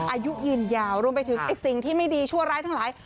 อายุยืนยาวรวมไปถึงไอ้สิ่งที่ไม่ดีชั่วร้ายทั้งหลาย